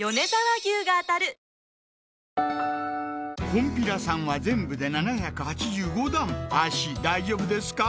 「こんぴらさん」は全部で７８５段脚大丈夫ですか？